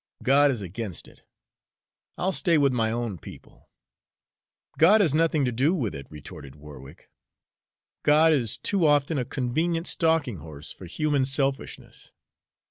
God is against it; I'll stay with my own people." "God has nothing to do with it," retorted Warwick. "God is too often a convenient stalking horse for human selfishness.